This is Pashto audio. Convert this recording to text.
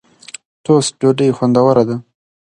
ټوسټ ډوډۍ خوندوره ده.